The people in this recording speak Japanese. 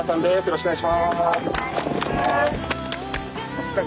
よろしくお願いします。